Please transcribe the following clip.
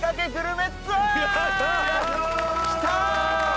きた！